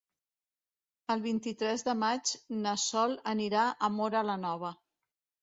El vint-i-tres de maig na Sol anirà a Móra la Nova.